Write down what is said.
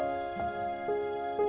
aku akan menjaga dia